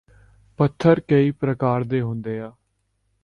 ਪੱਥਰੀ ਪ੍ਰਕਾਰ ਦੀ ਹੁੰਦੀ ਹੈ